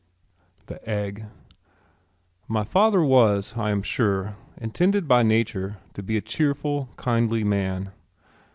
THE EGG My father was, I am sure, intended by nature to be a cheerful, kindly man.